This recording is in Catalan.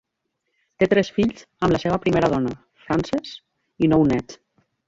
Té tres fills amb la seva primera dona, Frances, i nou néts.